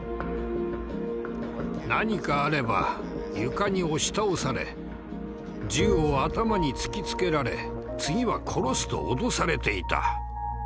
何かあれば床に押し倒され銃を頭に突きつけられ次は殺すと脅されていた。